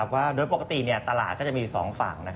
ว่าโดยปกติตลาดก็จะมี๒ฝั่ง